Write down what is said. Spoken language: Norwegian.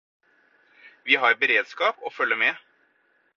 Vi har beredskap og følger med.